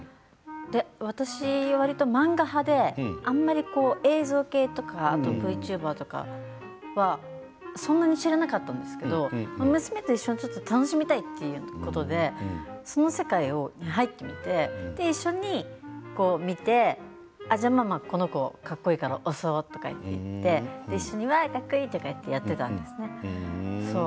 私は、わりと漫画派であまり映像系とかＶＴｕｂｅｒとかはそんなに知らなかったんですけど娘と一緒にちょっと楽しみたいということでその世界に入ってみて一緒に見てじゃあママ、この子かっこいいから推そうとか言って一緒にかっこいいとかやってたんですね。